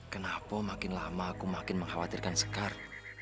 kenapa makin lama aku makin mengkhawatirkan sekar